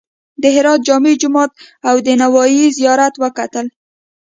د هرات جامع جومات او د نوایي زیارت وکتل.